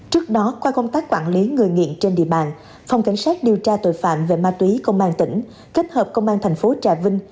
trước đó qua công tác quản lý người nghiện trên địa bàn phòng cảnh sát điều tra tội phạm về ma túy công an tỉnh kết hợp công an thành phố trà vinh